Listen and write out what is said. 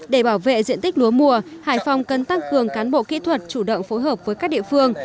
để bảo vệ diện tích lúa mùa hải phòng cần tăng cường cán bộ kỹ thuật chủ động phối hợp với các địa phương